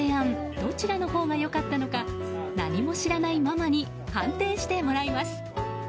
どちらのほうが良かったのか何も知らないママに判定してもらいます。